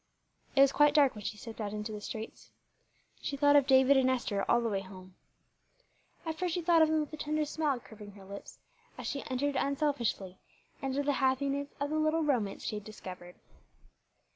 It was quite dark when she stepped out into the streets. She thought of David and Esther all the way home. At first she thought of them with a tender smile curving her lips, as she entered unselfishly into the happiness of the little romance she had discovered.